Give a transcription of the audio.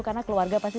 karena keluarga pasti